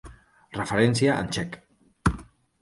Referència en txec.